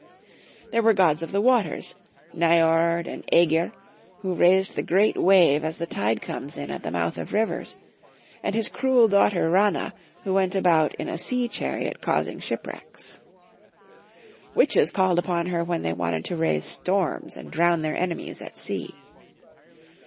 There were gods of the waters, Niord, and Egir, 26 Young Folks* History of Q ermany. who raised the great wave as the tide comes in at the mouth of rivers ; and his cruel daughter Rana, who went about in a sea chariot causing shipwrecks. Witches called upon her when they wanted to raise storms and drown their enemies at sea.